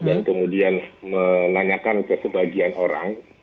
dan kemudian menanyakan ke sebagian orang